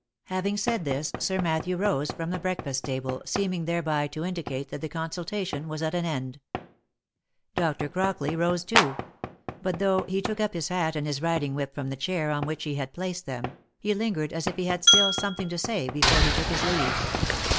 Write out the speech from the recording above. Having said this, Sir Matthew rose from the breakfast table, seem ing thereby to indicate that the consultation was at an end. Dr. OF MICHAEL ARMSTRONG. 123 Crockley rose too ; but, though he took up his hat and his riding whip from the chair on which he had placed them, he lingered as if he had still something to say before he took his leave.